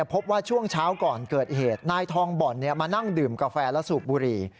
พบว่าช่วงเช้าก่อนเกิดเหตุนายทองบ่อนมานั่งดื่มกาแฟและสูบบุหรี่